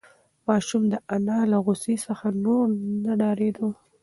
ماشوم د انا له غوسې څخه نور نه ډارېده.